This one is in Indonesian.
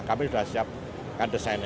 kami sudah siapkan desainnya